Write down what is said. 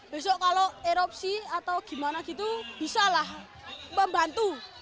besok kalau erupsi atau gimana gitu bisalah membantu